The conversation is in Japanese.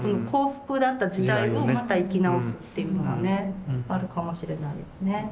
幸福だった時代をまた生きなおすっていうのがねあるかもしれないですね。